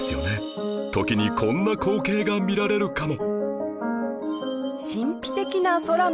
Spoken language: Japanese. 時にこんな光景が見られるかも